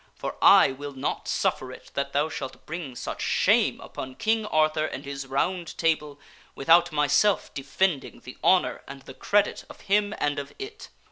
For I will not suffer it that thou shalt bring such shame upon King Arthur and his Round Table without myself defending the honor and the credit of him and of it.